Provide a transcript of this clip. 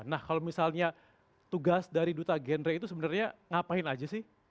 nah kalau misalnya tugas dari duta genre itu sebenarnya ngapain aja sih